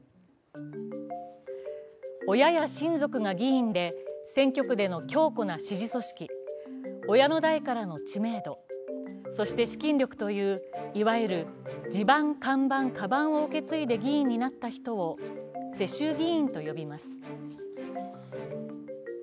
親や親族が議員で選挙区での強固な支持組織、親の代からの知名度、そして資金力といういわゆる地盤・看板・カバンを受け継いで議員になった人を世襲議員と呼びます。